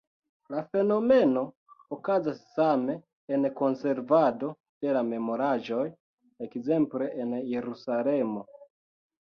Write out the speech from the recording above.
La fenomeno okazas same en konservado de la memoraĵoj, ekzemple en Jerusalemo.